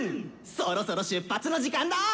そろそろ出発の時間だ！」。